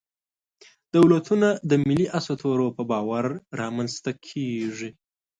دولتونه د ملي اسطورو په باور رامنځ ته کېږي.